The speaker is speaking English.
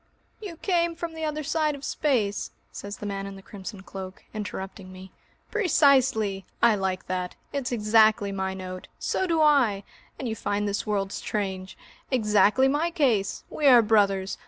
"You came from the other side of space!" says the man in the crimson cloak, interrupting me. "Precisely! I like that it's exactly my note! So do I! And you find this world strange! Exactly my case! We are brothers!